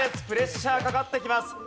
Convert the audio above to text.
プレッシャーかかってきます。